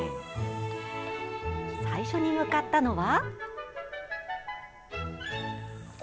最初に向かったのは？